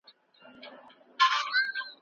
غيري سوله ييز سياست ټولني ته لويي ستونزي زېږوي.